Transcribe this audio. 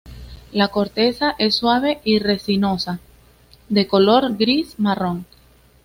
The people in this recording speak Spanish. La corteza es suave y resinosa de color gris-marrón.